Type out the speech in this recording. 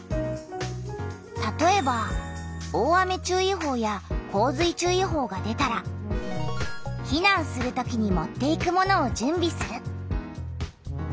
たとえば大雨注意報や洪水注意報が出たら「避難する時に持っていくものを準備する」。